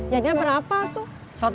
yanya berapa tuh